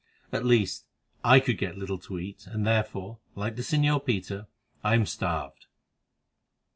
At least, I could get little to eat, and, therefore, like the señor Peter, I am starved."